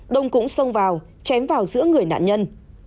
đông cũng xông vào chém vào giữa người nạn nhân